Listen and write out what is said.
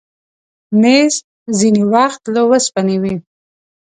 مېز ځینې وخت له اوسپنې وي.